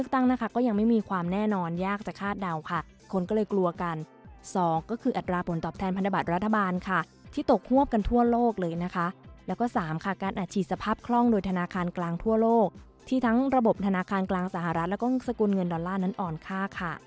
แล้วก็๓ค่ะการอัดฉีดสภาพคล่องโดยธนาคารกลางทั่วโลกที่ทั้งระบบธนาคารกลางสหรัฐแล้วก็สกุลเงินดอลลาร์นั้นอ่อนค่าค่ะ